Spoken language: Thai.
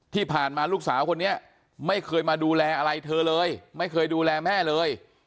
ที่ผ่านมาลูกสาวคนนี้ไม่เคยมาดูแลอะไรเธอเลยไม่เคยดูแลแม่เลย